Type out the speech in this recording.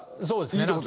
そうですね。